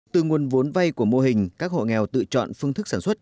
từ nguồn vốn vay của mô hình các hộ nghèo tự chọn phương thức sản xuất